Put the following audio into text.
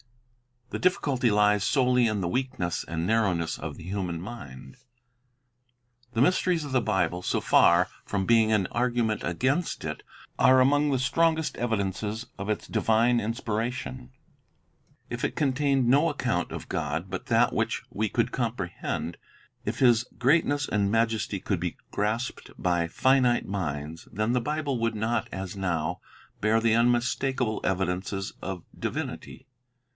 The difficult)' lies solely in the weakness and narrowness of the human mind. The mysteries of the Bible, so far from being an Mysteries argument against it, are among the strongest evidences Evidence of _........ Divinity of its divine inspiration. If it contained no account of God but that which we could comprehend; if His greatness and majesty could be grasped by finite minds, then the Bible would not, as now, bear the unmistak able evidences of divinity.